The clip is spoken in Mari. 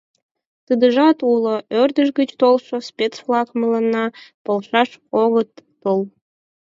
Тидыжат уло: ӧрдыж гыч толшо спец-влак мыланна полшаш огыт тол...